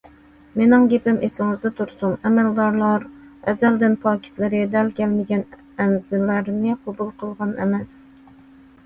مېنىڭ گېپىم ئېسىڭىزدە تۇرسۇن، ئەمەلدارلار ئەزەلدىن پاكىتلىرى دەل كەلمىگەن ئەنزىلەرنى قوبۇل قىلغان ئەمەس.